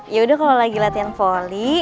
yaudah kalau lagi latihan voli